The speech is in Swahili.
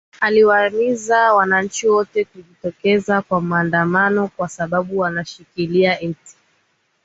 aliwahimiza wananchi wote kujitokeza kwa maandamano kwa sababu wanashikilia eti